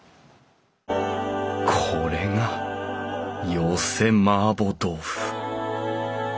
これが寄せ麻婆豆腐！